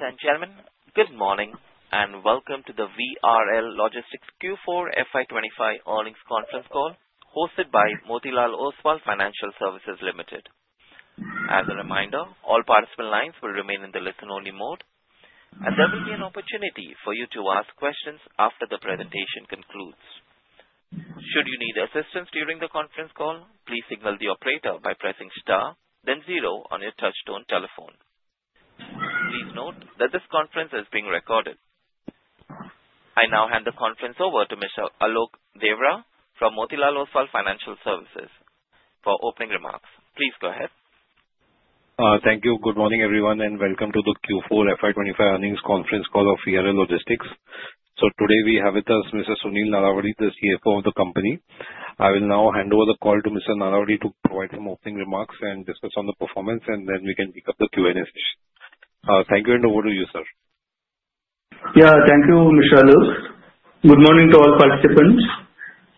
Ladies and gentlemen, good morning and welcome to the VRL Logistics Q4 FY25 earnings conference call hosted by Motilal Oswal Financial Services Limited. As a reminder, all participant lines will remain in the listen-only mode, and there will be an opportunity for you to ask questions after the presentation concludes. Should you need assistance during the conference call, please signal the operator by pressing star, then zero on your touch-tone telephone. Please note that this conference is being recorded. I now hand the conference over to Mr. Alok Deora from Motilal Oswal Financial Services for opening remarks. Please go ahead. Thank you. Good morning, everyone, and welcome to the Q4 FY25 earnings conference call of VRL Logistics. So today we have with us Mr. Sunil Nalavadi, the CFO of the company. I will now hand over the call to Mr. Nalavadi to provide some opening remarks and discuss the performance, and then we can pick up the Q&A session. Thank you, and over to you, sir. Yeah, thank you, Mr. Alok. Good morning to all participants.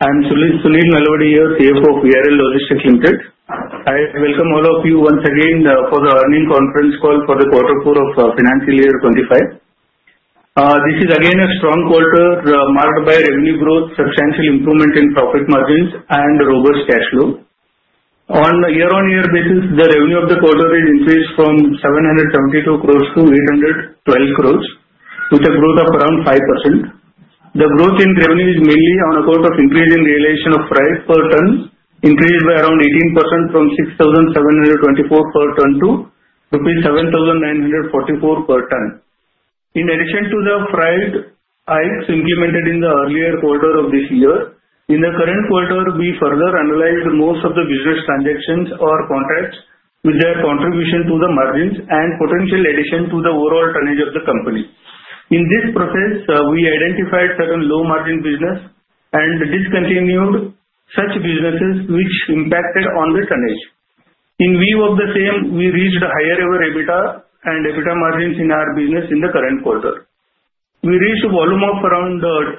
I'm Sunil Nalavadi, CFO of VRL Logistics Limited. I welcome all of you once again for the earnings conference call for the quarter four of financial year 2025. This is again a strong quarter marked by revenue growth, substantial improvement in profit margins, and robust cash flow. On a year-on-year basis, the revenue of the quarter has increased from 772 crores to 812 crores, with a growth of around 5%. The growth in revenue is mainly on account of increasing realization of price per ton, increased by around 18% from 6,724 per ton to rupees 7,944 per ton. In addition to the price hikes implemented in the earlier quarter of this year, in the current quarter, we further analyzed most of the business transactions or contracts with their contribution to the margins and potential addition to the overall tonnage of the company. In this process, we identified certain low-margin businesses and discontinued such businesses which impacted on the tonnage. In view of the same, we reached a higher EBITDA and EBITDA margins in our business in the current quarter. We reached a volume of around 10,600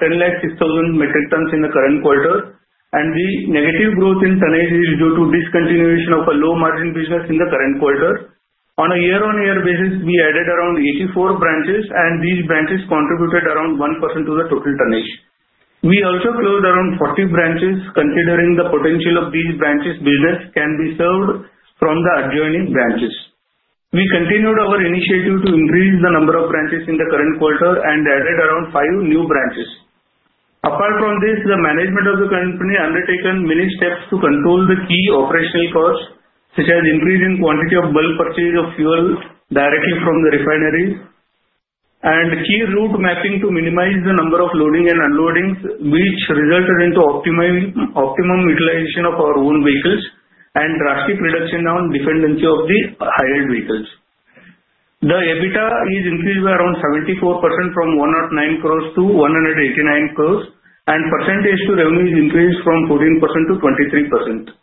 metric tons in the current quarter, and the negative growth in tonnage is due to discontinuation of a low-margin business in the current quarter. On a year-on-year basis, we added around 84 branches, and these branches contributed around 1% to the total tonnage. We also closed around 40 branches, considering the potential of these branches' businesses can be served from the adjoining branches. We continued our initiative to increase the number of branches in the current quarter and added around five new branches. Apart from this, the management of the company undertook many steps to control the key operational costs, such as increasing the quantity of bulk purchase of fuel directly from the refineries and key route mapping to minimize the number of loading and unloadings, which resulted in optimum utilization of our own vehicles and drastic reduction in dependency on the hired vehicles. The EBITDA is increased by around 74% from 109 crores to 189 crores, and percentage to revenue is increased from 14% to 23%.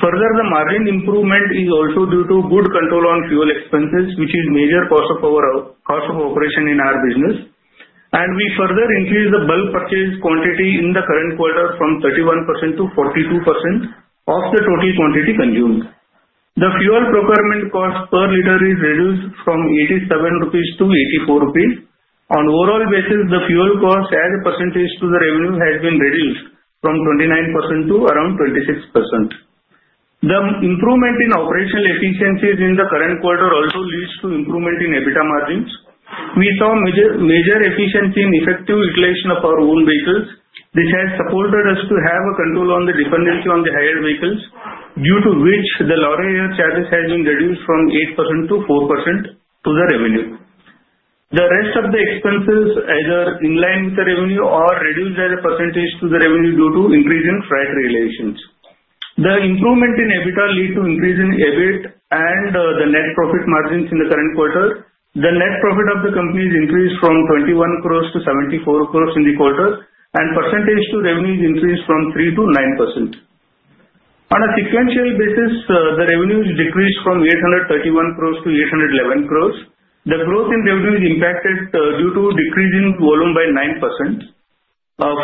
Further, the margin improvement is also due to good control on fuel expenses, which is a major cost of operation in our business. We further increased the bulk purchase quantity in the current quarter from 31% to 42% of the total quantity consumed. The fuel procurement cost per liter is reduced from 87 rupees to 84 rupees. On an overall basis, the fuel cost as a percentage to the revenue has been reduced from 29% to around 26%. The improvement in operational efficiencies in the current quarter also leads to improvement in EBITDA margins. We saw major efficiency in effective utilization of our own vehicles. This has supported us to have control on the dependency on the hired vehicles, due to which the hire charges have been reduced from 8% to 4% to the revenue. The rest of the expenses, either in line with the revenue or reduced as a percentage to the revenue due to increasing freight realizations. The improvement in EBITDA led to an increase in EBIT and the net profit margins in the current quarter. The net profit of the company has increased from 21 crores to 74 crores in the quarter, and percentage to revenue has increased from 3% to 9%. On a sequential basis, the revenue has decreased from 831 crores to 811 crores. The growth in revenue is impacted due to a decrease in volume by 9%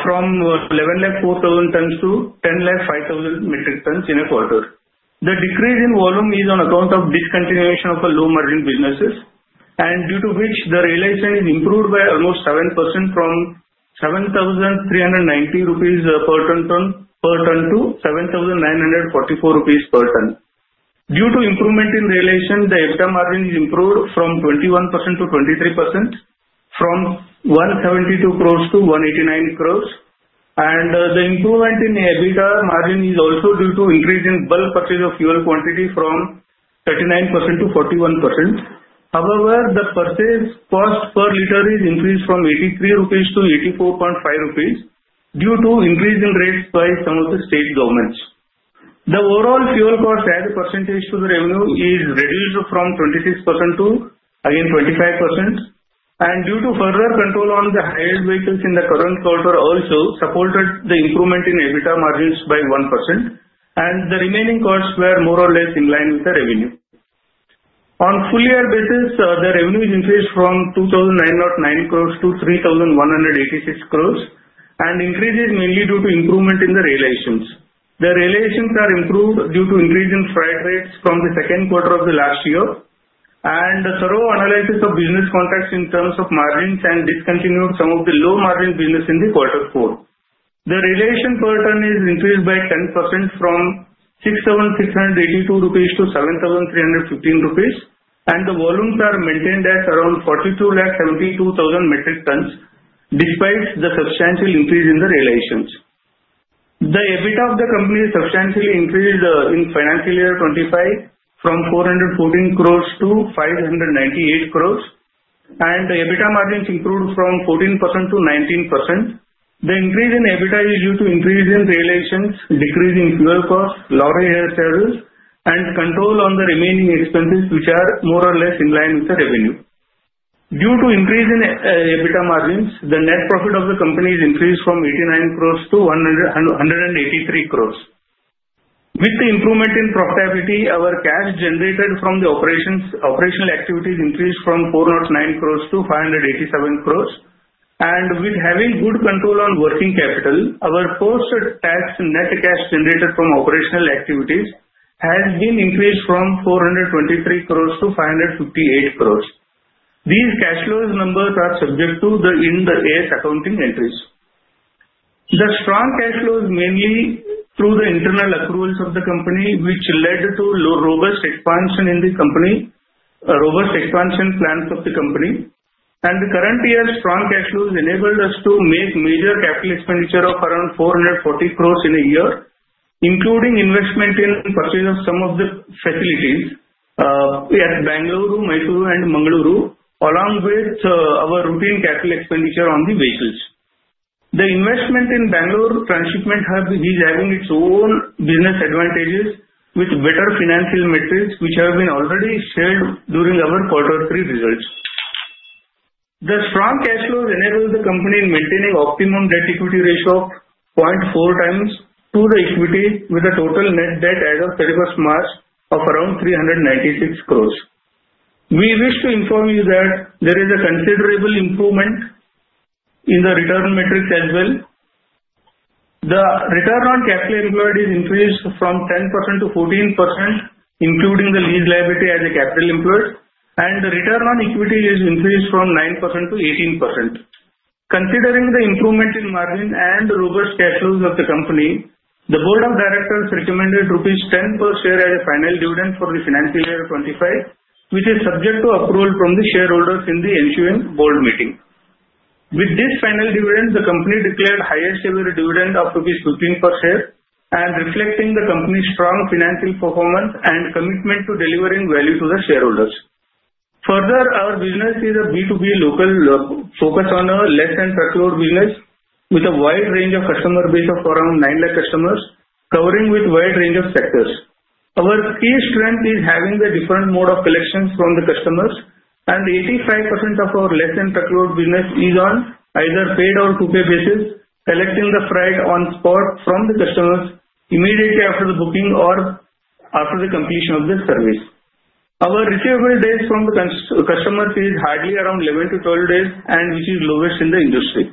from 11,004 tons to 10,005 metric tons in a quarter. The decrease in volume is on account of discontinuation of low-margin businesses, and due to which the realization has improved by almost 7% from 7,390 rupees per ton to 7,944 rupees per ton. Due to improvement in realization, the EBITDA margin has improved from 21% to 23% from 172 crores to 189 crores. And the improvement in EBITDA margin is also due to an increase in bulk purchase of fuel quantity from 39% to 41%. However, the purchase cost per liter has increased from INR 83 to INR 84.5 due to an increase in rates by some of the state governments. The overall fuel cost as a percentage to the revenue is reduced from 26% to, again, 25%. And due to further control on the hired vehicles in the current quarter, it also supported the improvement in EBITDA margins by 1%. And the remaining costs were more or less in line with the revenue. On a full-year basis, the revenue has increased from 2,909 crores to 3,186 crores, and the increase is mainly due to improvement in the realizations. The realizations are improved due to an increase in freight rates from the second quarter of the last year. The thorough analysis of business contracts in terms of margins has discontinued some of the low-margin businesses in the quarter four. The realization per ton has increased by 10% from 6,682 rupees to 7,315 rupees, and the volumes are maintained at around 4,272,000 metric tons, despite the substantial increase in the realizations. The EBITDA of the company has substantially increased in financial year 25 from 414 crores to 598 crores, and the EBITDA margins improved from 14% to 19%. The increase in EBITDA is due to an increase in realizations, a decrease in fuel costs, lower hire charges, and control on the remaining expenses, which are more or less in line with the revenue. Due to an increase in EBITDA margins, the net profit of the company has increased from 89 crores to 183 crores. With the improvement in profitability, our cash generated from the operational activities has increased from 409 crores to 587 crores. And with having good control on working capital, our post-tax net cash generated from operational activities has been increased from 423 crores to 558 crores. These cash flows numbers are subject to the Ind AS accounting entries. The strong cash flow is mainly through the internal accruals of the company, which led to robust expansion in the company, robust expansion plans of the company. And the current year's strong cash flows enabled us to make major capital expenditure of around 440 crores in a year, including investment in purchase of some of the facilities at Bengaluru, Mysuru, and Mangaluru, along with our routine capital expenditure on the vehicles. The investment in Bengaluru Transshipment Hub is having its own business advantages, with better financial metrics, which have been already shared during our quarter three results. The strong cash flows enabled the company in maintaining an optimum debt-equity ratio of 0.4 times to the equity, with a total net debt as of 31st March of around 396 crores. We wish to inform you that there is a considerable improvement in the return metrics as well. The return on capital employed has increased from 10% to 14%, including the lease liability as a capital employed, and the return on equity has increased from 9% to 18%. Considering the improvement in margin and robust cash flows of the company, the board of directors recommended rupees 10 per share as a final dividend for the financial year 2025, which is subject to approval from the shareholders in the ensuing board meeting. With this final dividend, the company declared a highest-ever dividend of rupees 15 per share, reflecting the company's strong financial performance and commitment to delivering value to the shareholders. Further, our business is a B2B local focus on a less-than-truckload business, with a wide range of customer base of around 9,000 customers, covering a wide range of sectors. Our key strength is having a different mode of collection from the customers, and 85% of our less-than-truckload business is on either paid or to-pay basis, collecting the freight on spot from the customers immediately after the booking or after the completion of the service. Our receivable days from the customers are hardly around 11 to 12 days, which is the lowest in the industry.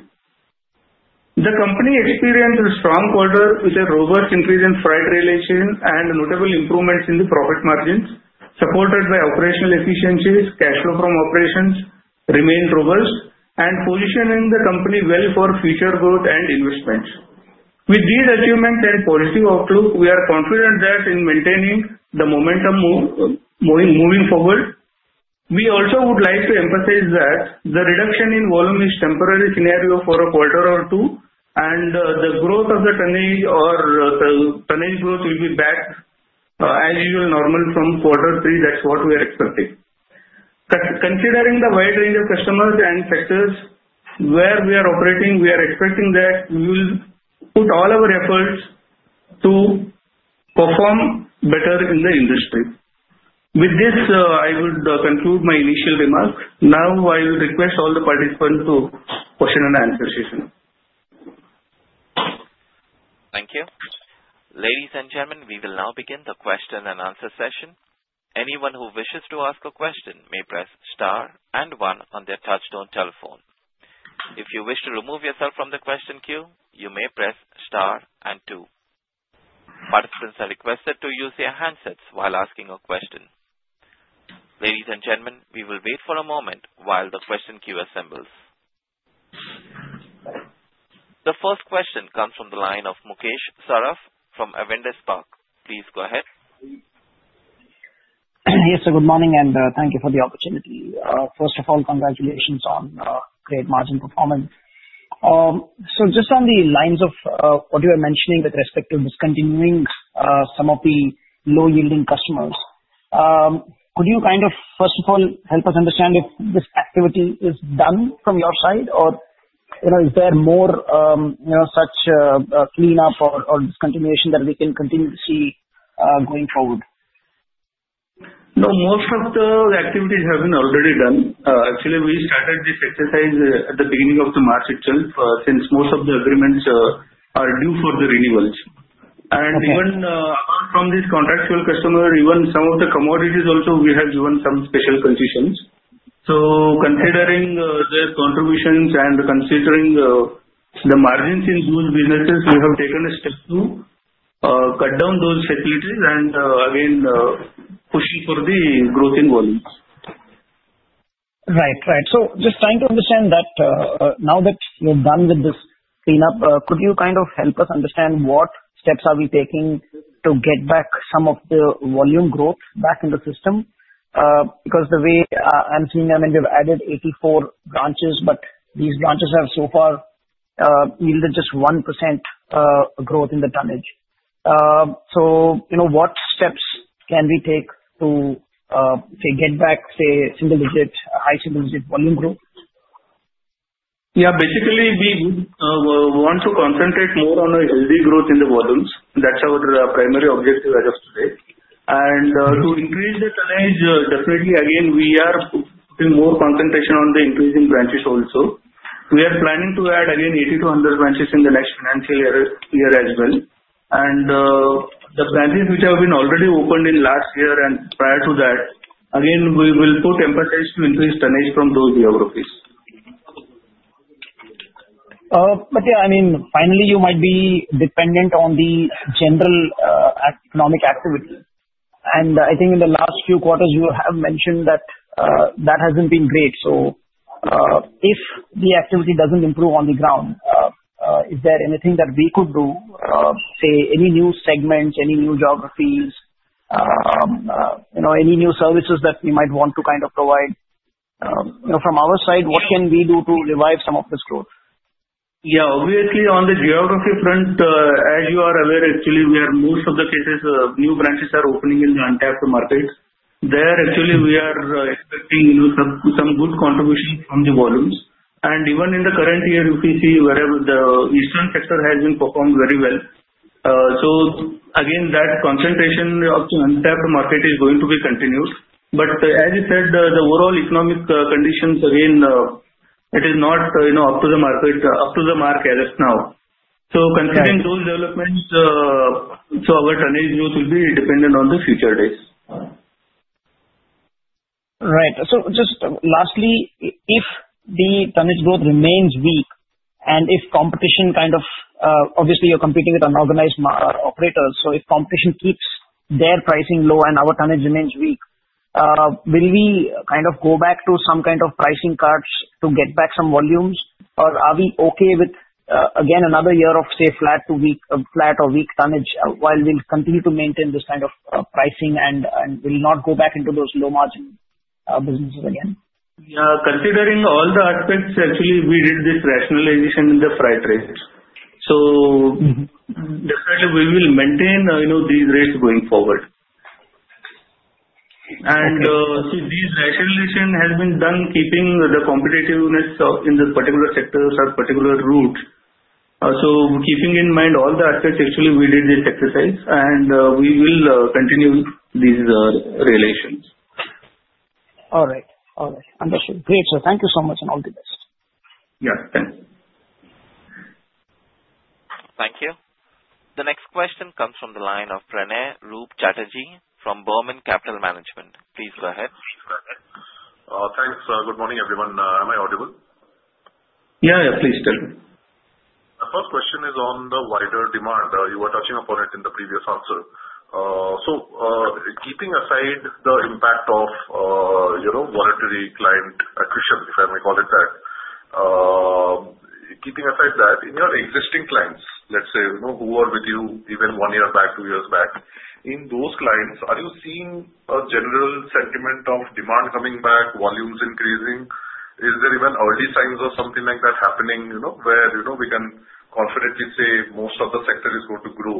The company experienced a strong quarter with a robust increase in freight realization and notable improvements in the profit margins, supported by operational efficiencies. Cash flow from operations remained robust and positioning the company well for future growth and investments. With these achievements and positive outlook, we are confident that in maintaining the momentum moving forward. We also would like to emphasize that the reduction in volume is a temporary scenario for a quarter or two, and the growth of the tonnage or tonnage growth will be back as usual, normal from quarter three. That's what we are expecting. Considering the wide range of customers and sectors where we are operating, we are expecting that we will put all our efforts to perform better in the industry. With this, I would conclude my initial remarks. Now, I will request all the participants to question and answer session. Thank you. Ladies and gentlemen, we will now begin the question and answer session. Anyone who wishes to ask a question may press star and one on their touch-tone telephone. If you wish to remove yourself from the question queue, you may press star and two. Participants are requested to use their handsets while asking a question. Ladies and gentlemen, we will wait for a moment while the question queue assembles. The first question comes from the line of Mukesh Saraf from Avendus Spark. Please go ahead. Yes, so good morning, and thank you for the opportunity. First of all, congratulations on great margin performance. So just on the lines of what you are mentioning with respect to discontinuing some of the low-yielding customers, could you kind of, first of all, help us understand if this activity is done from your side, or is there more such cleanup or discontinuation that we can continue to see going forward? No, most of the activities have been already done. Actually, we started this exercise at the beginning of March itself since most of the agreements are due for the renewals, and even apart from these contractual customers, even some of the commodities also, we have given some special conditions, so considering their contributions and considering the margins in those businesses, we have taken a step to cut down those facilities and, again, pushing for the growth in volumes. Right, right. So just trying to understand that now that you're done with this cleanup, could you kind of help us understand what steps are we taking to get back some of the volume growth back in the system? Because the way I'm seeing, I mean, we've added 84 branches, but these branches have so far yielded just 1% growth in the tonnage. So what steps can we take to get back, say, single-digit, high single-digit volume growth? Yeah, basically, we want to concentrate more on a healthy growth in the volumes. That's our primary objective as of today. And to increase the tonnage, definitely, again, we are putting more concentration on the increasing branches also. We are planning to add, again, 80-100 branches in the next financial year as well. And the branches which have been already opened in last year and prior to that, again, we will put emphasis to increase tonnage from those B.R. Ops. But yeah, I mean, finally, you might be dependent on the general economic activity. And I think in the last few quarters, you have mentioned that that hasn't been great. So if the activity doesn't improve on the ground, is there anything that we could do, say, any new segments, any new geographies, any new services that we might want to kind of provide from our side? What can we do to revive some of this growth? Yeah, obviously, on the geography front, as you are aware, actually, in most cases, new branches are opening in the untapped market. There, actually, we are expecting some good contributions from the volumes. And even in the current year, if you see, the eastern sector has performed very well. So again, that concentration of the untapped market is going to be continued. But as you said, the overall economic conditions, again, it is not up to the mark as of now. So considering those developments, our tonnage growth will be dependent on the coming days. Right. So just lastly, if the tonnage growth remains weak and if competition kind of obviously, you're competing with unorganized operators. So if competition keeps their pricing low and our tonnage remains weak, will we kind of go back to some kind of pricing cards to get back some volumes, or are we okay with, again, another year of, say, flat or weak tonnage while we'll continue to maintain this kind of pricing and will not go back into those low-margin businesses again? Yeah, considering all the aspects, actually, we did this rationalization in the freight rates. So definitely, we will maintain these rates going forward. And see, this rationalization has been done, keeping the competitiveness in the particular sectors at particular route. So keeping in mind all the aspects, actually, we did this exercise, and we will continue these rates. All right, all right. Understood. Great. So thank you so much and all the best. Yeah, thanks. Thank you. The next question comes from the line of Pranay Roop Chatterjee from Burman Capital Management. Please go ahead. Thanks. Good morning, everyone. Am I audible? Yeah, yeah. Please tell me. My first question is on the wider demand. You were touching upon it in the previous answer. So keeping aside the impact of voluntary client attrition, if I may call it that, keeping aside that, in your existing clients, let's say, who were with you even one year back, two years back, in those clients, are you seeing a general sentiment of demand coming back, volumes increasing? Is there even early signs of something like that happening where we can confidently say most of the sector is going to grow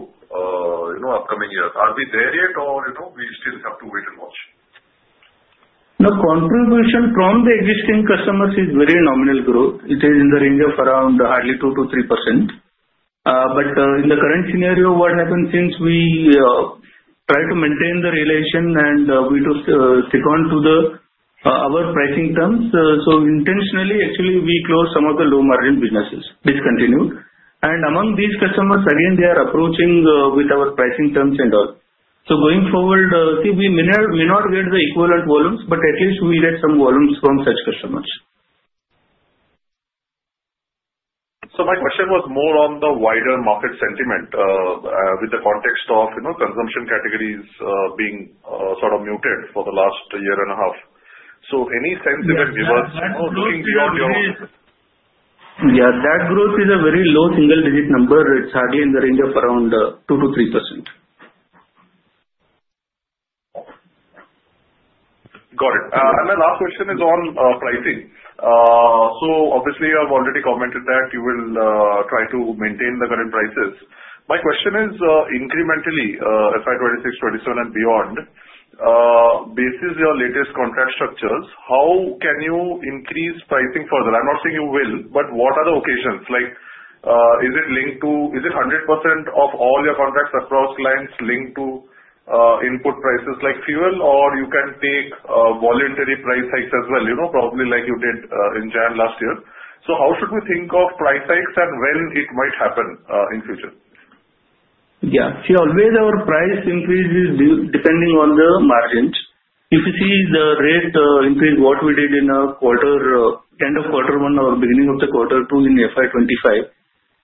upcoming years? Are we there yet, or we still have to wait and watch? The contribution from the existing customers is very nominal growth. It is in the range of around hardly 2%-3%. But in the current scenario, what happened since we tried to maintain the relation and we took stick on to our pricing terms, so intentionally, actually, we closed some of the low-margin businesses, discontinued, and among these customers, again, they are approaching with our pricing terms and all, so going forward, see, we may not get the equivalent volumes, but at least we'll get some volumes from such customers. So my question was more on the wider market sentiment with the context of consumption categories being sort of muted for the last year and a half. So any sense even give us looking beyond your? Yeah, that growth is a very low single-digit number. It's hardly in the range of around 2% to 3%. Got it. And my last question is on pricing. So obviously, you have already commented that you will try to maintain the current prices. My question is, incrementally, FY 2026, 2027, and beyond, basis your latest contract structures, how can you increase pricing further? I'm not saying you will, but what are the occasions? Is it linked to 100% of all your contracts across clients linked to input prices like fuel, or you can take voluntary price hikes as well, probably like you did in January last year? So how should we think of price hikes and when it might happen in future? Yeah, see, always our price increase is depending on the margins. If you see the rate increase, what we did in the end of quarter one or beginning of the quarter two in FY25,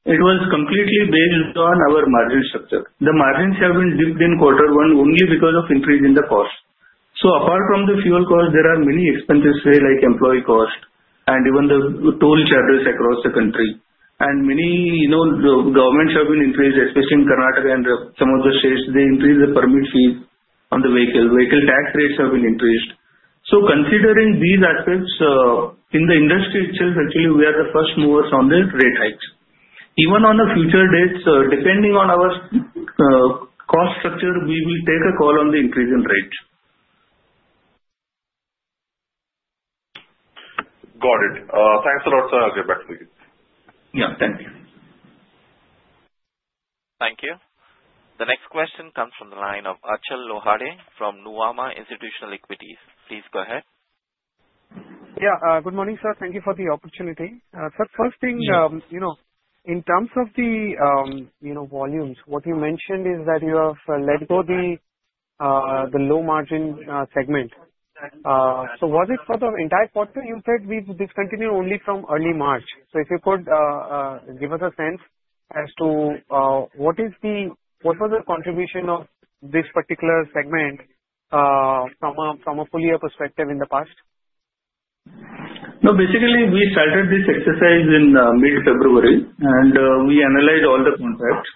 it was completely based on our margin structure. The margins have been dipped in quarter one only because of increase in the cost. So apart from the fuel cost, there are many expenses, say, like employee cost and even the toll charges across the country. And many governments have been increased, especially in Karnataka and some of the states. They increased the permit fees on the vehicle. Vehicle tax rates have been increased. So considering these aspects in the industry itself, actually, we are the first movers on the rate hikes. Even on the future dates, depending on our cost structure, we will take a call on the increase in rate. Got it. Thanks a lot, sir. I'll get back to you. Yeah, thank you. Thank you. The next question comes from the line of Achal Lohade from Nuvama Institutional Equities. Please go ahead. Yeah, good morning, sir. Thank you for the opportunity. Sir, first thing, in terms of the volumes, what you mentioned is that you have let go of the low-margin segment. So was it for the entire quarter? You said we've discontinued only from early March. So if you could give us a sense as to what was the contribution of this particular segment from a full-year perspective in the past? No, basically, we started this exercise in mid-February, and we analyzed all the contracts,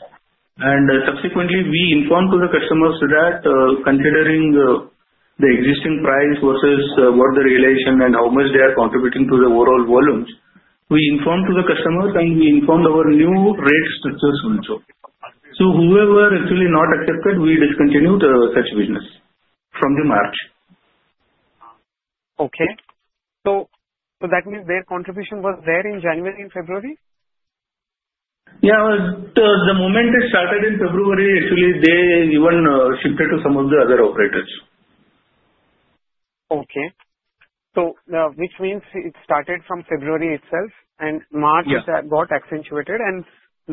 and subsequently, we informed to the customers that considering the existing price versus what the rationale and how much they are contributing to the overall volumes, we informed to the customers, and we informed our new rate structures also, so whoever actually not accepted, we discontinued such business from the March. Okay. So that means their contribution was there in January and February? Yeah, the moment it started in February, actually, they even shifted to some of the other operators. Okay. So which means it started from February itself, and March got accentuated, and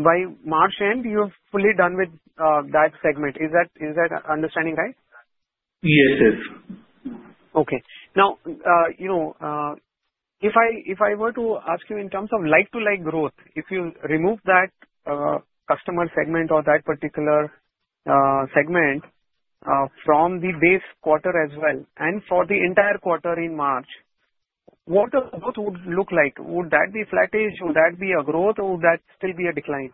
by March end, you're fully done with that segment. Is that understanding right? Yes, yes. Okay. Now, if I were to ask you in terms of like-for-like growth, if you remove that customer segment or that particular segment from the base quarter as well and for the entire quarter in March, what would it look like? Would that be flattish? Would that be a growth, or would that still be a decline?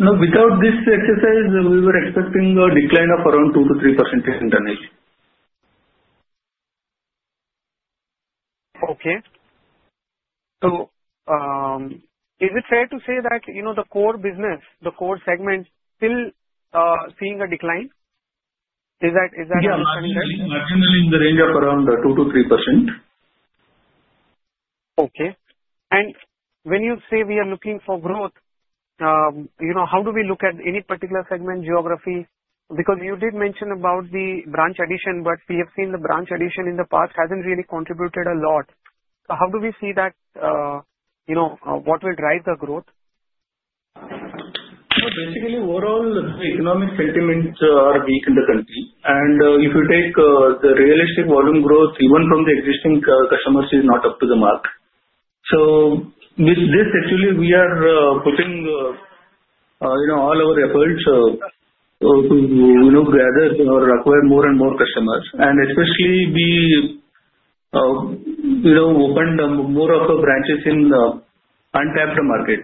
No, without this exercise, we were expecting a decline of around 2%-3% in tonnage. Okay. So is it fair to say that the core business, the core segment, still seeing a decline? Is that understanding right? Yeah, definitely in the range of around 2%-3%. Okay, and when you say we are looking for growth, how do we look at any particular segment geography? Because you did mention about the branch addition, but we have seen the branch addition in the past hasn't really contributed a lot, so how do we see that? What will drive the growth? So basically, overall, economic sentiments are weak in the country. And if you take the realistic volume growth, even from the existing customers, it's not up to the mark. So with this, actually, we are putting all our efforts to gather or acquire more and more customers. And especially, we opened more of our branches in the untapped market.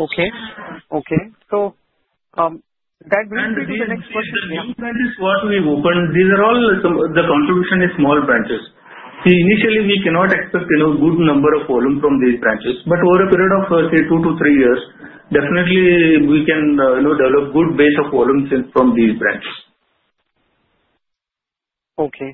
Okay, okay. So that brings me to the next question. And these branches what we've opened, these are all the contribution is small branches. See, initially, we cannot expect a good number of volume from these branches. But over a period of, say, two to three years, definitely, we can develop a good base of volume from these branches. Okay.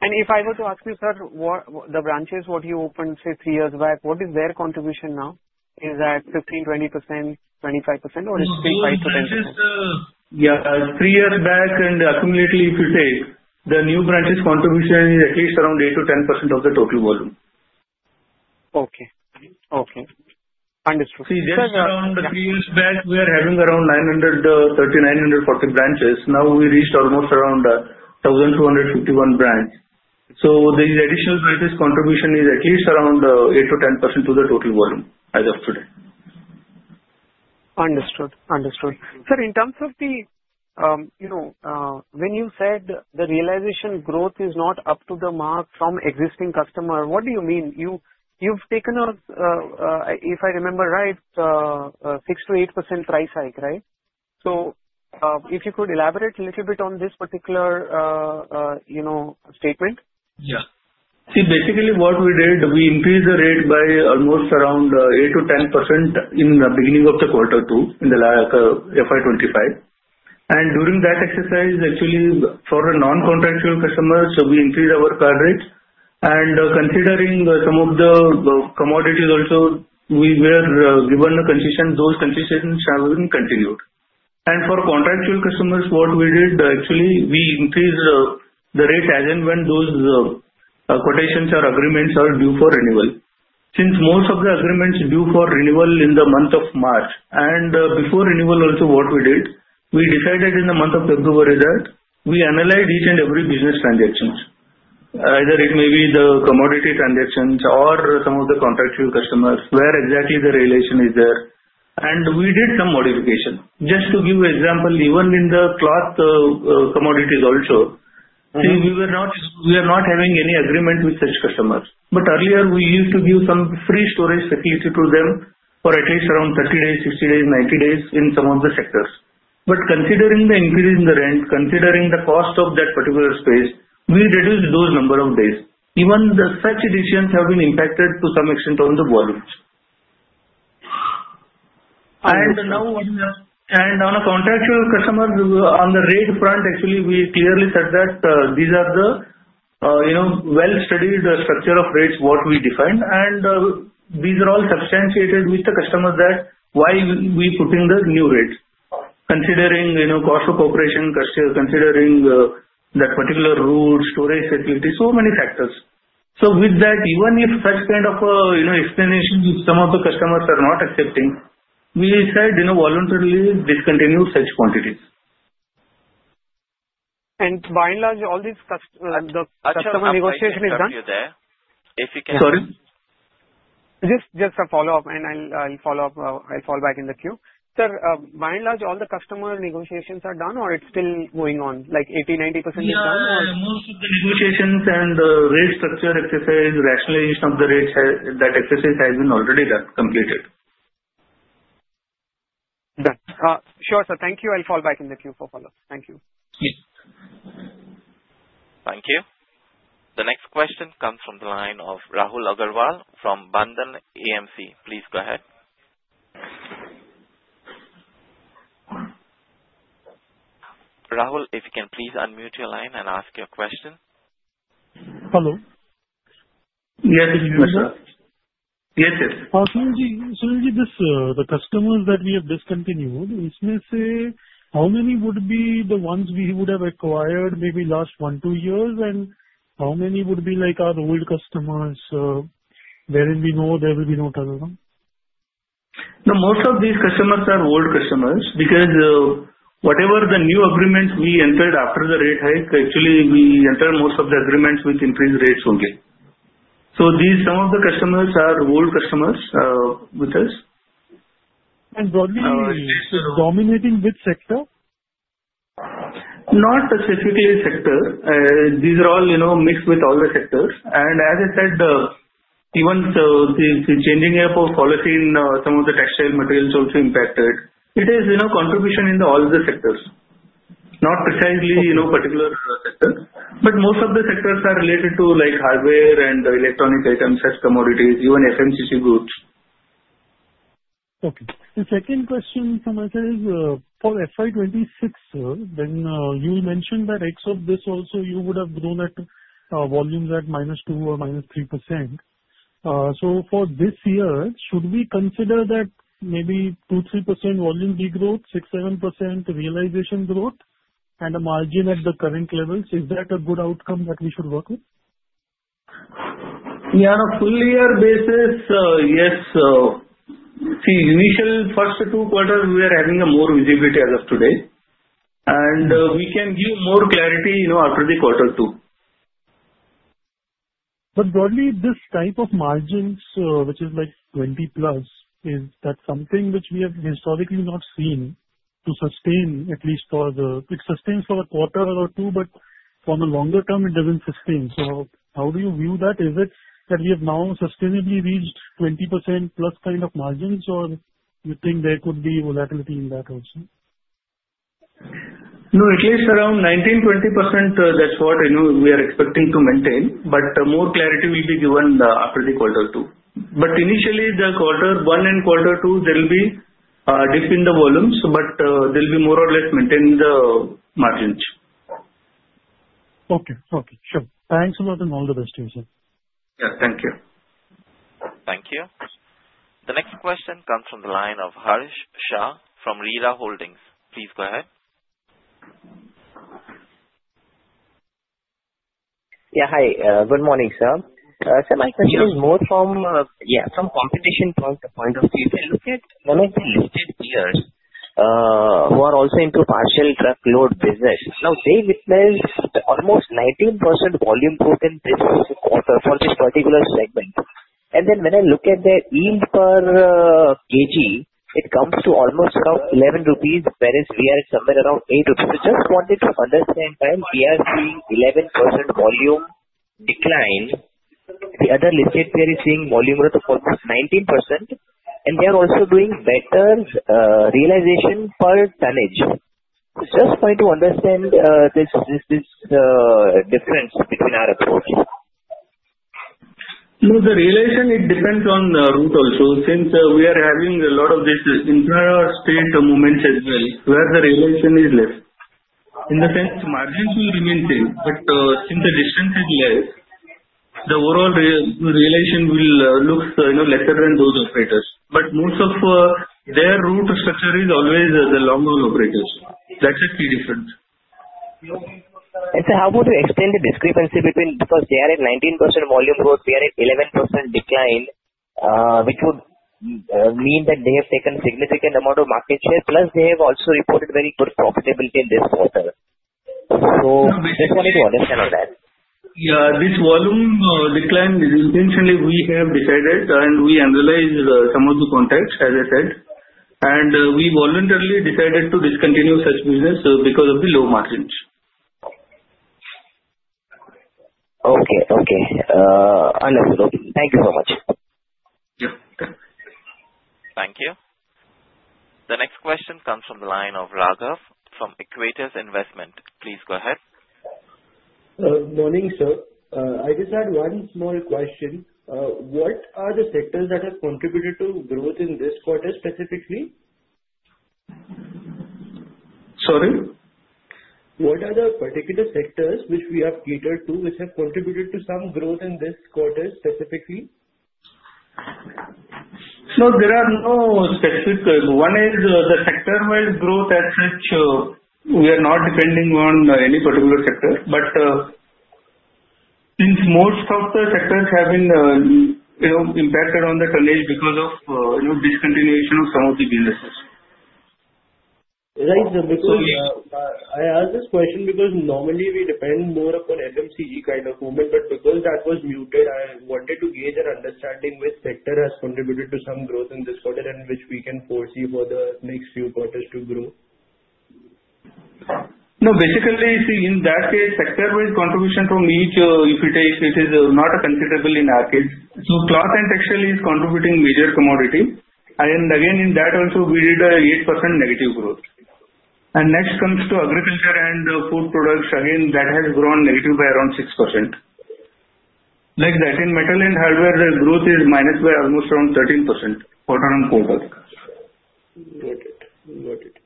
And if I were to ask you, sir, the branches what you opened, say, three years back, what is their contribution now? Is that 15%, 20%, 25%, or it's still 5%-10%? Yeah, three years back, and accumulatively, if you take the new branches, contribution is at least around 8%-10% of the total volume. Okay, okay. Understood. See, just around three years back, we were having around 930, 940 branches. Now we reached almost around 1,251 branches. So the additional branches contribution is at least around 8%-10% of the total volume as of today. Understood, understood. Sir, in terms of the when you said the realization growth is not up to the mark from existing customer, what do you mean? You've taken a, if I remember right, 6%-8% price hike, right? So if you could elaborate a little bit on this particular statement. Yeah. See, basically, what we did, we increased the rate by almost around 8-10% in the beginning of quarter two in the FY25. And during that exercise, actually, for a non-contractual customer, so we increased our card rate. And considering some of the commodities also, we were given a condition. Those conditions have been continued. And for contractual customers, what we did, actually, we increased the rate as and when those quotations or agreements are due for renewal. Since most of the agreements are due for renewal in the month of March, and before renewal also, what we did, we decided in the month of February that we analyze each and every business transactions. Either it may be the commodity transactions or some of the contractual customers where exactly the relation is there. And we did some modification. Just to give you an example, even in the cloth commodities also, see, we were not having any agreement with such customers. But earlier, we used to give some free storage facility to them for at least around 30 days, 60 days, 90 days in some of the sectors. But considering the increase in the rent, considering the cost of that particular space, we reduced those number of days. Even such decisions have been impacted to some extent on the volumes. And now, on a contractual customer, on the rate front, actually, we clearly said that these are the well-studied structure of rates what we defined. And these are all substantiated with the customers that why we are putting the new rates, considering cost of operation, considering that particular route, storage facility, so many factors. So, with that, even if such kind of explanations with some of the customers are not accepting, we have voluntarily discontinued such quantities. By and large, all these customer negotiation is done? Sorry? Just a follow-up, and I'll follow back in the queue. Sir, by and large, all the customer negotiations are done, or it's still going on? Like 80%, 90% is done, or? Yeah, most of the negotiations and the rate structure exercise, rationalization of the rates, that exercise has been already completed. Done. Sure, sir. Thank you. I'll fall back in the queue for follow-up. Thank you. Yes. Thank you. The next question comes from the line of Rahul Agarwal from Bandhan AMC. Please go ahead. Rahul, if you can please unmute your line and ask your question. Hello. Yes, yes, yes, sir. Yes, yes. So Sunilji, the customers that we have discontinued, is this how many would be the ones we would have acquired maybe last one, two years, and how many would be our old customers wherein we know there will be no turnaround? No, most of these customers are old customers because whatever the new agreements we entered after the rate hike, actually, we entered most of the agreements with increased rates only. So some of the customers are old customers with us. Broadly, is it dominating which sector? Not specifically sector. These are all mixed with all the sectors, and as I said, even the changing of policy in some of the textile materials also impacted. It is contribution in all the sectors, not precisely particular sector, but most of the sectors are related to hardware and electronic items, such commodities, even FMCG goods. Okay. The second question from my side is for FY26, when you mentioned that Q4 of this also, you would have grown at volumes at -2% or -3%. So for this year, should we consider that maybe 2%-3% volume regrowth, 6%-7% realization growth, and a margin at the current levels? Is that a good outcome that we should work with? Yeah, on a full-year basis, yes. See, initial first two quarters, we were having a more visibility as of today, and we can give more clarity after the quarter two. But broadly, this type of margins, which is like 20% plus, is that something which we have historically not seen to sustain? At least it sustains for a quarter or two, but for the longer term, it doesn't sustain. So how do you view that? Is it that we have now sustainably reached 20% plus kind of margins, or do you think there could be volatility in that also? No, at least around 19%-20%, that's what we are expecting to maintain. But more clarity will be given after the quarter two. But initially, the quarter one and quarter two, there will be a dip in the volumes, but they'll be more or less maintaining the margins. Okay, okay. Sure. Thanks a lot and all the best to you, sir. Yeah, thank you. Thank you. The next question comes from the line of Harish Shah from REERA Holdings. Please go ahead. Yeah, hi. Good morning, sir. So my question is more from, yeah, from competition point of view. When I look at the listed peers who are also into partial truckload business, now they witnessed almost 19% volume growth in this quarter for this particular segment. And then when I look at their yield per kg, it comes to almost around 11 rupees, whereas we are somewhere around 8 rupees. So just wanted to understand why we are seeing 11% volume decline. The other listed peer is seeing volume growth of almost 19%, and they are also doing better realization per tonnage. Just wanted to understand this difference between our approach. No, the realization, it depends on route also. Since we are having a lot of this entire state movements as well, where the realization is less. In the sense, margins will remain the same, but since the distance is less, the overall realization will look lesser than those operators. But most of their route structure is always the long-haul operators. That's a key difference. And so, how would you explain the discrepancy between because they are at 19% volume growth, we are at 11% decline, which would mean that they have taken a significant amount of market share, plus they have also reported very good profitability in this quarter? So, just wanted to understand on that. Yeah, this volume decline, intentionally, we have decided, and we analyzed some of the context, as I said, and we voluntarily decided to discontinue such business because of the low margins. Okay, okay. Understood. Okay. Thank you so much. Yeah. Thank you. The next question comes from the line of Raghav from Aequitas Investments. Please go ahead. Good morning, sir. I just had one small question. What are the sectors that have contributed to growth in this quarter specifically? Sorry? What are the particular sectors which we have catered to which have contributed to some growth in this quarter specifically? There are no specific ones. One is the sector-wide growth at which we are not depending on any particular sector. Since most of the sectors have been impacted on the tonnage because of discontinuation of some of the businesses. Right. I ask this question because normally, we depend more upon FMCG kind of movement. But because that was muted, I wanted to gauge an understanding which sector has contributed to some growth in this quarter and which we can foresee for the next few quarters to grow. No, basically, in that case, sector-wide contribution from each, if you take, it is not considerable in our case. So cloth and textile is contributing major commodity. And again, in that also, we did an 8% negative growth. And next comes to agriculture and food products. Again, that has grown negative by around 6%. Like that, in metal and hardware, the growth is minus by almost around 13% quarter on quarter. Got it. Got it.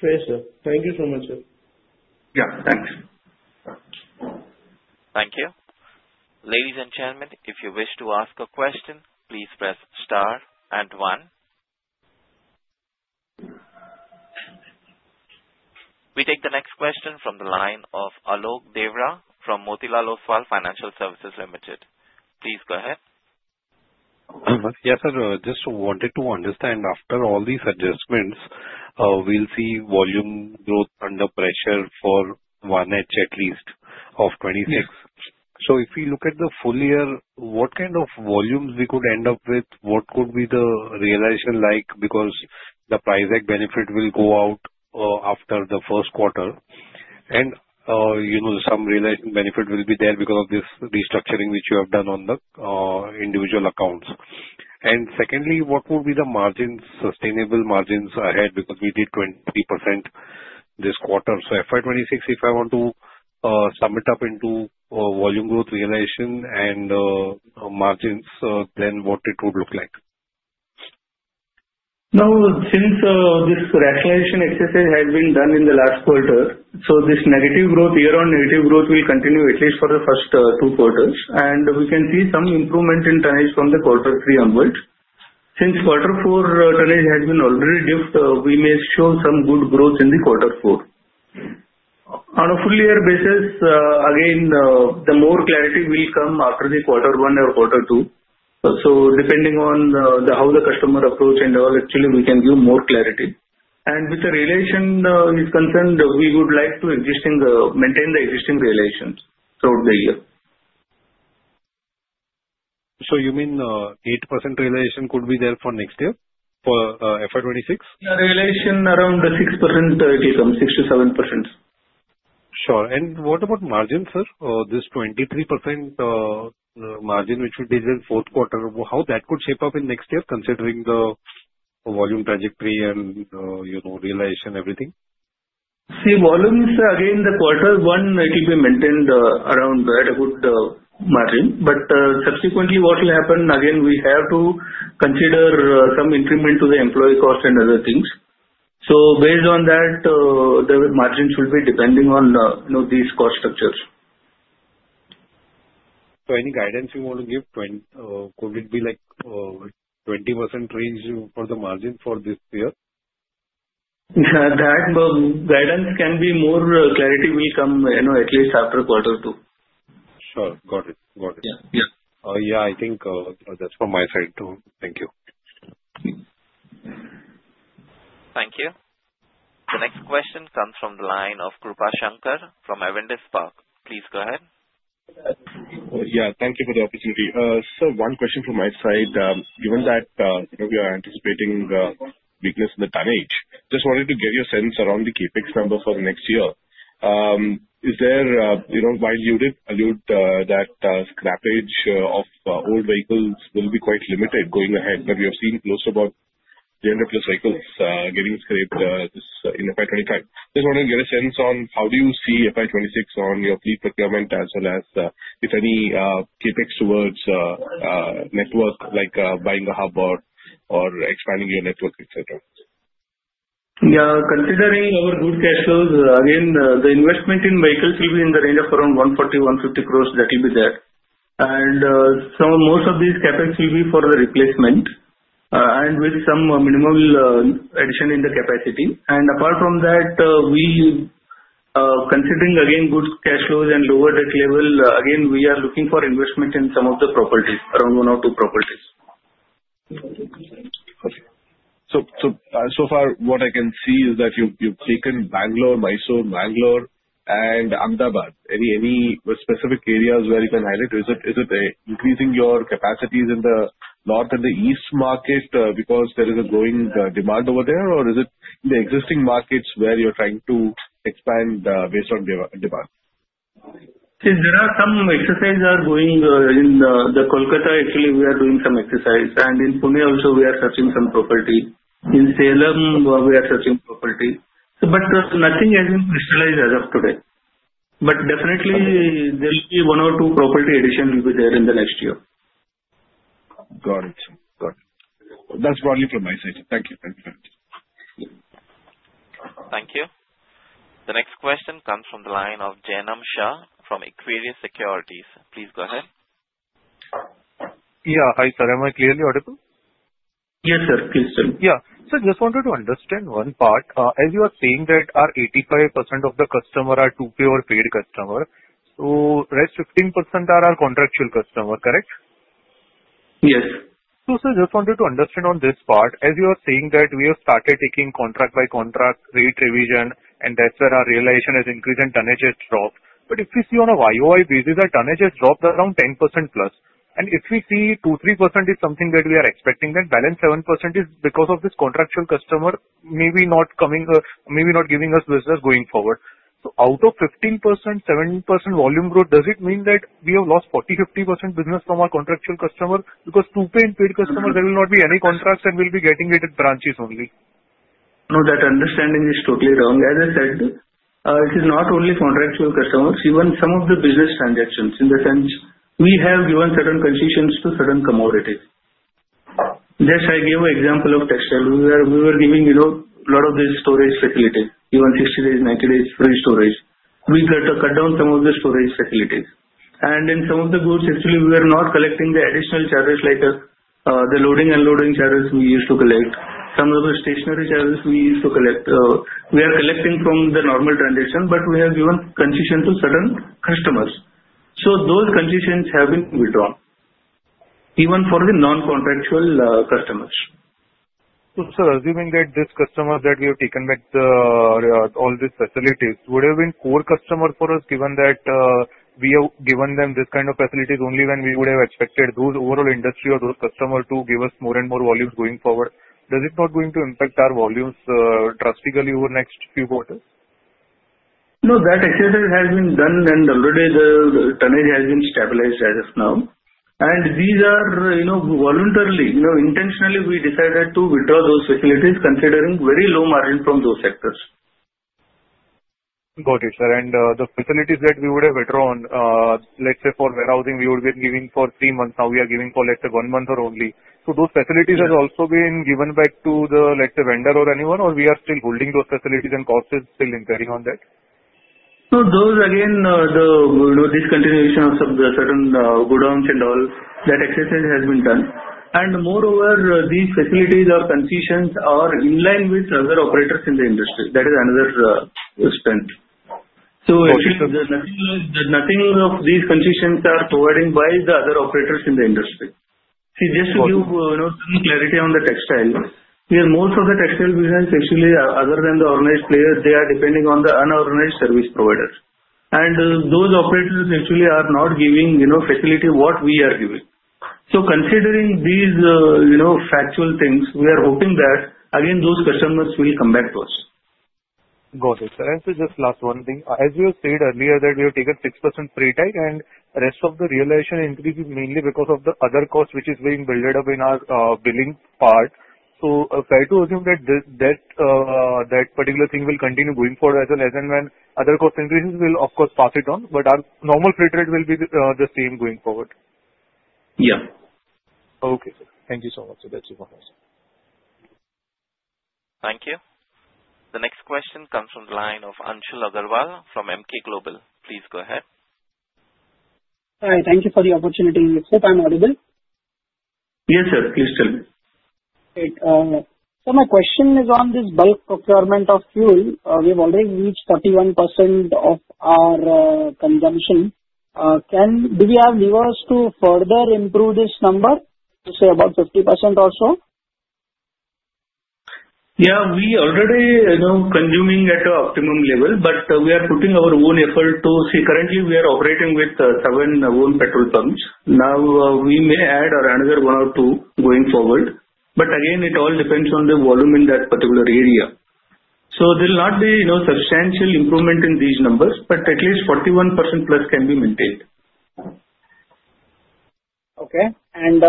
Great, sir. Thank you so much, sir. Yeah, thanks. Thank you. Ladies and gentlemen, if you wish to ask a question, please press star and one. We take the next question from the line of Alok Deora from Motilal Oswal Financial Services Limited. Please go ahead. Yes, sir. Just wanted to understand. After all these adjustments, we'll see volume growth under pressure for 1H at least of FY26. So if we look at the full year, what kind of volumes we could end up with, what could be the realization like? Because the price hike benefit will go out after the first quarter. And some realization benefit will be there because of this restructuring which you have done on the individual accounts. And secondly, what would be the sustainable margins ahead? Because we did 20% this quarter. So FY26, if I want to sum up into volume growth realization and margins, then what it would look like? Now, since this rationalization exercise has been done in the last quarter, so this negative growth, year-on-year negative growth will continue at least for the first two quarters, and we can see some improvement in tonnage from quarter three onward. Since quarter four tonnage has already dipped, we may show some good growth in quarter four. On a full-year basis, again, the more clarity will come after quarter one or quarter two, so depending on how the customer approach and all, actually, we can give more clarity, and with the realization is concerned, we would like to maintain the existing realizations throughout the year. So you mean 8% realization could be there for next year for FY 26? Yeah, realization around 6% take up, 6%-7%. Sure. And what about margin, sir? This 23% margin which will be there in fourth quarter, how that could shape up in next year considering the volume trajectory and realization, everything? See, volume is, again, the quarter one, it will be maintained around at a good margin. But subsequently, what will happen, again, we have to consider some increment to the employee cost and other things. So based on that, the margin should be depending on these cost structures. Any guidance you want to give? Could it be like 20% range for the margin for this year? That guidance can be. More clarity will come at least after quarter two. Sure. Got it. Got it. Yeah. Yeah, I think that's from my side too. Thank you. Thank you. The next question comes from the line of Krupashankar from Avendus Spark. Please go ahead. Yeah, thank you for the opportunity. Sir, one question from my side. Given that we are anticipating the weakness in the tonnage, just wanted to get your sense around the CapEx number for the next year. While you did allude that scrappage of old vehicles will be quite limited going ahead, but we have seen close to about 300-plus vehicles getting scraped in FY25. Just wanted to get a sense on how do you see FY26 on your fleet procurement as well as if any CapEx towards network, like buying a hub or expanding your network, etc.? Yeah, considering our good cash flows, again, the investment in vehicles will be in the range of around 140-150 crores that will be there. And most of these capex will be for the replacement and with some minimal addition in the capacity. And apart from that, considering again good cash flows and lower debt level, again, we are looking for investment in some of the properties, around one or two properties. So far, what I can see is that you've taken Bengaluru, Mysuru, Mangaluru, and Ahmedabad. Any specific areas where you can highlight? Is it increasing your capacities in the north and the east market because there is a growing demand over there, or is it the existing markets where you're trying to expand based on demand? See, there are some exercises going on in Kolkata. Actually, we are doing some exercises, and in Pune also, we are searching some property. In Salem, we are searching property, but nothing has been crystallized as of today, but definitely there will be one or two property additions there in the next year. Got it. Got it. That's broadly from my side. Thank you. Thank you. Thank you. The next question comes from the line of Jainam Shah from Equirus Securities. Please go ahead. Yeah, hi sir. Am I clearly audible? Yes, sir. Please tell me. Yeah. Sir, just wanted to understand one part. As you are saying that our 85% of the customers are to-pay or paid customers, so the rest 15% are our contractual customers, correct? Yes. So sir, just wanted to understand on this part. As you are saying that we have started taking contract-by-contract rate revision, and that's where our realization has increased and tonnage has dropped. But if we see on a YoY basis, our tonnage has dropped around 10% plus. And if we see 2%-3% is something that we are expecting, then balance 7% is because of this contractual customer maybe not giving us business going forward. So out of 15%, 7% volume growth, does it mean that we have lost 40%-50% business from our contractual customers? Because to-pay and paid customers, there will not be any contracts and we'll be getting it at branches only. No, that understanding is totally wrong. As I said, it is not only contractual customers. Even some of the business transactions, in the sense, we have given certain concessions to certain commodities. Just I gave an example of textile. We were giving a lot of these storage facilities, even 60 days, 90 days free storage. We got to cut down some of the storage facilities, and in some of the goods, actually, we are not collecting the additional charges like the loading and unloading charges we used to collect. Some of the statutory charges we used to collect, we are collecting from the normal transaction, but we have given concession to certain customers, so those concessions have been withdrawn, even for the non-contractual customers. So sir, assuming that this customer that we have taken back all these facilities would have been core customers for us, given that we have given them this kind of facilities only when we would have expected those overall industry or those customers to give us more and more volumes going forward, does it not going to impact our volumes drastically over the next few quarters? No, that exercise has been done, and already the tonnage has been stabilized as of now and these are voluntarily, intentionally, we decided to withdraw those facilities, considering very low margin from those sectors. Got it, sir. And the facilities that we would have withdrawn, let's say for warehousing, we would have been giving for three months. Now we are giving for, let's say, one month or only. So those facilities have also been given back to the, let's say, vendor or anyone, or we are still holding those facilities and cost is still incurring on that? So those, again, the discontinuation of certain godowns and all, that exercise has been done. And moreover, these facilities or concessions are in line with other operators in the industry. That is another strength. So actually, nothing of these concessions are provided by the other operators in the industry. See, just to give some clarity on the textile, most of the textile business, actually, other than the organized players, they are depending on the unorganized service providers. And those operators actually are not giving facility what we are giving. So considering these factual things, we are hoping that, again, those customers will come back to us. Got it. And sir, just last one thing. As you said earlier that we have taken 6% freight, and rest of the realization increase is mainly because of the other cost which is being built up in our billing part. So fair to assume that that particular thing will continue going forward as well as when other cost increases will, of course, pass it on, but our normal freight rate will be the same going forward. Yeah. Okay, sir. Thank you so much. That's it for now, sir. Thank you. The next question comes from the line of Anshul Agrawal from Emkay Global. Please go ahead. Hi, thank you for the opportunity. Hope I'm audible. Yes, sir. Please tell me. So my question is on this bulk procurement of fuel. We have already reached 41% of our consumption. Do we have levers to further improve this number, say about 50% or so? Yeah, we are already consuming at an optimum level, but we are putting our own effort to see. Currently, we are operating with seven own petrol pumps. Now we may add another one or two going forward. But again, it all depends on the volume in that particular area. So there will not be substantial improvement in these numbers, but at least 41% plus can be maintained. Okay. And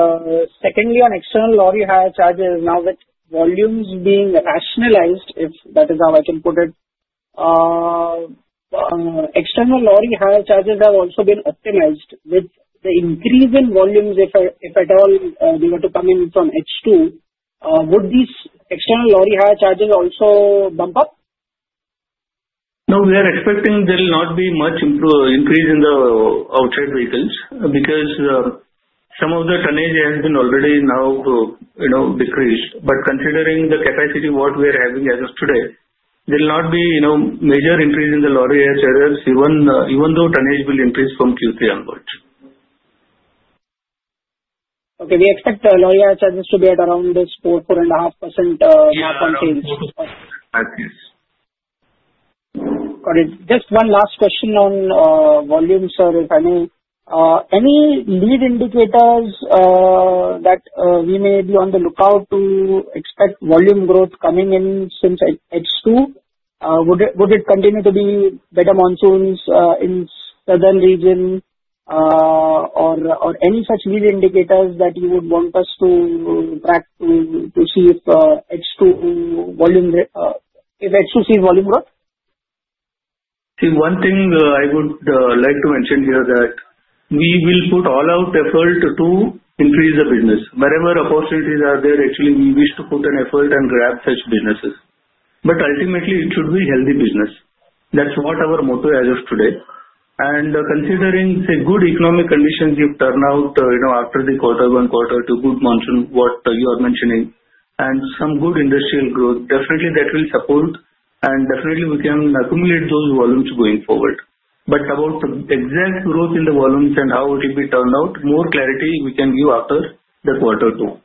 secondly, on external lorry hire charges, now with volumes being rationalized, if that is how I can put it, external lorry hire charges have also been optimized. With the increase in volumes, if at all they were to come in from H2, would these external lorry hire charges also bump up? No, we are expecting there will not be much increase in the outside vehicles because some of the tonnage has been already now decreased. But considering the capacity of what we are having as of today, there will not be major increase in the lorry hire charges, even though tonnage will increase from Q3 onwards. Okay. We expect lorry hire charges to be at around this 4%-4.5% mark on sales. Yes. Got it. Just one last question on volume, sir, if any. Any lead indicators that we may be on the lookout to expect volume growth coming in since H2? Would it continue to be better monsoons in the southern region or any such lead indicators that you would want us to track to see if H2 sees volume growth? See, one thing I would like to mention here that we will put all our effort to increase the business. Wherever opportunities are there, actually, we wish to put an effort and grab such businesses. But ultimately, it should be healthy business. That's what our motto is as of today. And considering the good economic conditions you've turned out after the quarter one quarter to good monsoon, what you are mentioning, and some good industrial growth, definitely that will support and definitely we can accumulate those volumes going forward. But about the exact growth in the volumes and how it will be turned out, more clarity we can give after the quarter two.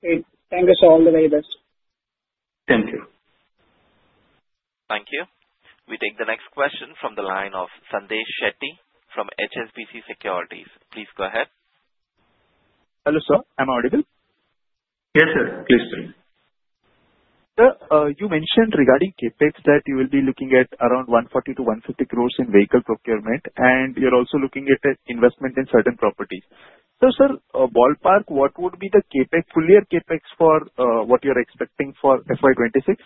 Great. Thank you, sir. All the very best. Thank you. Thank you. We take the next question from the line of Sandesh Shetty from HSBC Securities. Please go ahead. Hello, sir. Am I audible? Yes, sir. Please tell me. Sir, you mentioned regarding CapEx that you will be looking at around 140-150 crores in vehicle procurement, and you're also looking at investment in certain properties. So, sir, ballpark, what would be the full year CapEx for what you're expecting for FY26?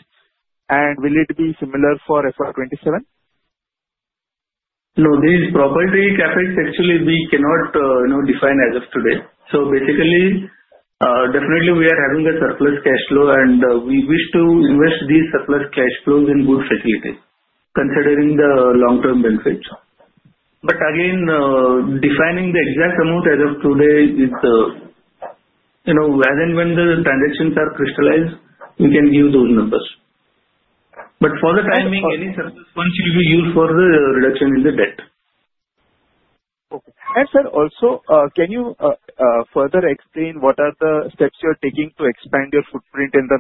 And will it be similar for FY27? No, these property CapEx actually we cannot define as of today. So basically, definitely we are having a surplus cash flow, and we wish to invest these surplus cash flows in good facilities considering the long-term benefits. But again, defining the exact amount as of today is as in when the transactions are crystallized, we can give those numbers. But for the timing, any surplus funds will be used for the reduction in the debt. Okay. And sir, also, can you further explain what are the steps you are taking to expand your footprint in the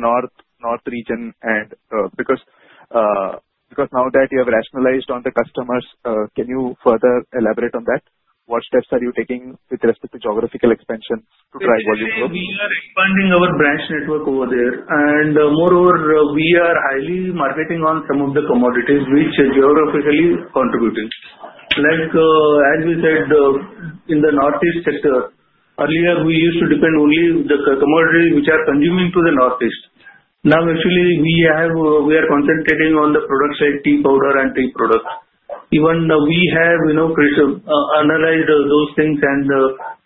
north region? Because now that you have rationalized on the customers, can you further elaborate on that? What steps are you taking with respect to geographical expansion to drive volume growth? We are expanding our branch network over there. And moreover, we are highly marketing on some of the commodities which are geographically contributing. Like, as we said, in the northeast sector, earlier we used to depend only on the commodities which are consuming to the northeast. Now, actually, we are concentrating on the products like tea powder and tea products. Even we have analyzed those things, and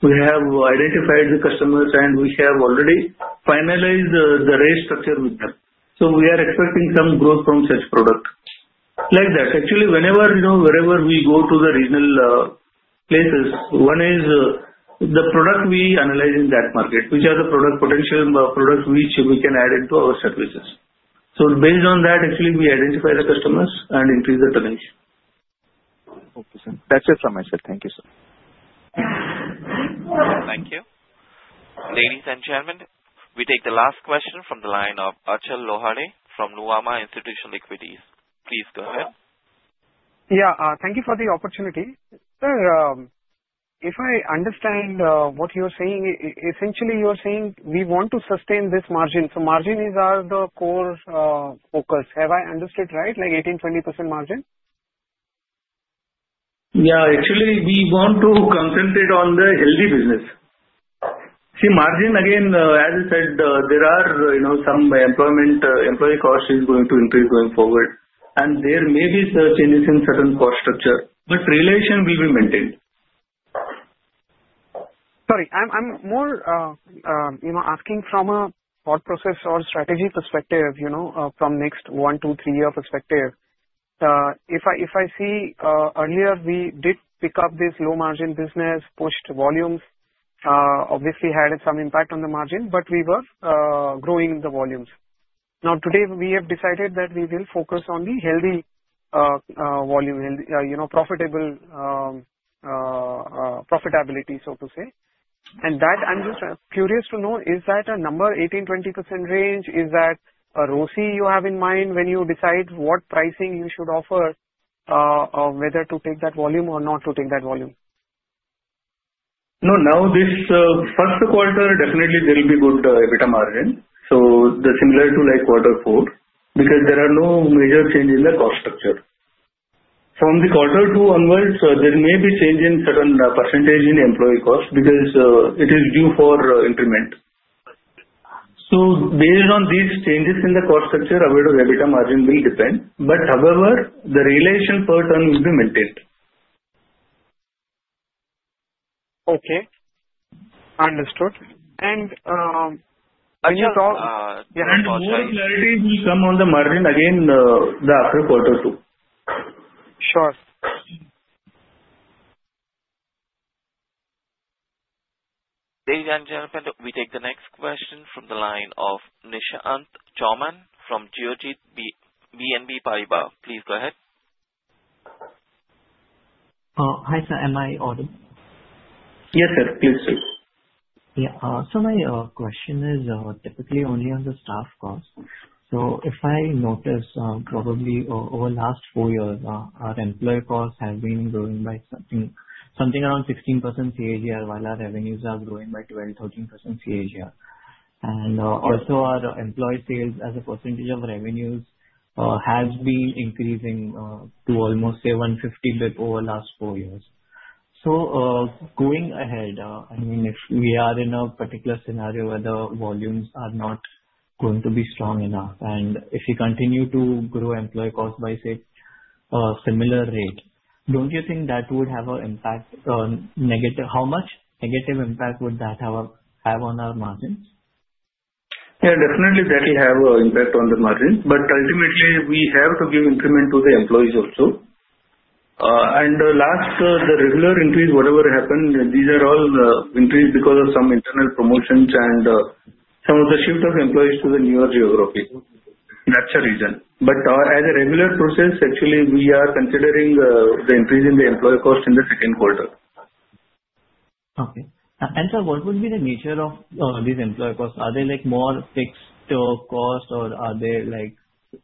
we have identified the customers, and we have already finalized the rate structure with them. So we are expecting some growth from such products. Like that, actually, wherever we go to the regional places, one is the product we analyze in that market, which are the product potential products which we can add into our services. So based on that, actually, we identify the customers and increase the tonnage. Okay, sir. That's it from my side. Thank you, sir. Thank you. Ladies and gentlemen, we take the last question from the line of Achal Lohade from Nuvama Institutional Equities. Please go ahead. Yeah. Thank you for the opportunity. Sir, if I understand what you're saying, essentially you're saying we want to sustain this margin. So margin is our core focus. Have I understood right? Like 18%-20% margin? Yeah. Actually, we want to concentrate on the healthy business. See, margin, again, as I said, there are some employee cost is going to increase going forward. And there may be changes in certain cost structure, but realization will be maintained. Sorry, I'm more asking from a thought process or strategy perspective from next one, two, three year perspective. If I see earlier we did pick up this low margin business, pushed volumes, obviously had some impact on the margin, but we were growing the volumes. Now, today we have decided that we will focus on the healthy volume, profitability, so to say. And that I'm just curious to know, is that a number 18%-20% range? Is that a ROCE you have in mind when you decide what pricing you should offer, whether to take that volume or not to take that volume? No, now this first quarter, definitely there will be good EBITDA margin. So, similar to quarter four because there are no major change in the cost structure. From the quarter two onwards, there may be change in certain percentage in employee cost because it is due for increment. So based on these changes in the cost structure, our EBITDA margin will depend. But however, the realization per ton will be maintained. Okay. Understood, and can you talk? More clarity will come on the margin again after quarter two. Sure. Ladies and gentlemen, we take the next question from the line of Nishant Chowhan from Geojit BNP Paribas. Please go ahead. Hi sir, am I audible? Yes, sir. Please speak. Yeah. So my question is typically only on the staff cost. So if I notice probably over the last four years, our employee costs have been growing by something around 16% CAGR while our revenues are growing by 12%-13% CAGR. And also our employee costs as a percentage of revenues has been increasing to almost say 15% over the last four years. So going ahead, I mean, if we are in a particular scenario where the volumes are not going to be strong enough, and if we continue to grow employee cost by say similar rate, don't you think that would have a negative impact? How much negative impact would that have on our margins? Yeah, definitely that will have an impact on the margins, but ultimately, we have to give increment to the employees also, and last, the regular increase, whatever happened, these are all increased because of some internal promotions and some of the shift of employees to the newer geography. That's the reason, but as a regular process, actually, we are considering the increase in the employee cost in the second quarter. Okay. And sir, what would be the nature of these employee costs? Are they more fixed cost or are they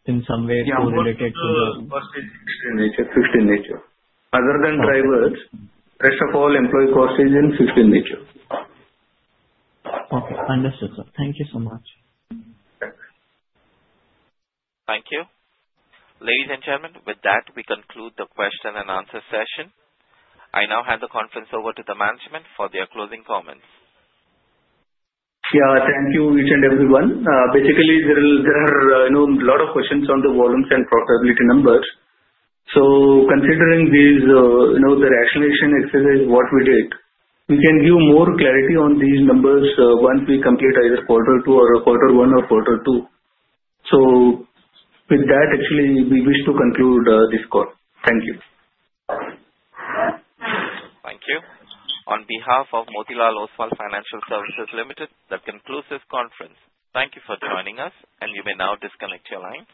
in some way correlated to the? Yeah, employee cost is fixed in nature. Other than drivers, rest of all employee cost is fixed in nature. Okay. Understood, sir. Thank you so much. Thank you. Ladies and gentlemen, with that, we conclude the question and answer session. I now hand the conference over to the management for their closing comments. Yeah, thank you each and everyone. Basically, there are a lot of questions on the volumes and profitability numbers. So considering the rationalization exercise what we did, we can give more clarity on these numbers once we complete either quarter two or quarter one or quarter two. So with that, actually, we wish to conclude this call. Thank you. Thank you. On behalf of Motilal Oswal Financial Services Limited, that concludes this conference. Thank you for joining us, and you may now disconnect your line.